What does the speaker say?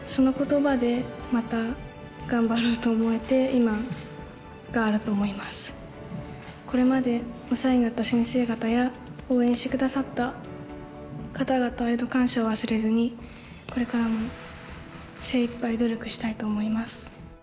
今日祝辞を頂いた謝依旻先生にはこれまでお世話になった先生方や応援して下さった方々への感謝を忘れずにこれからも精いっぱい努力したいと思います。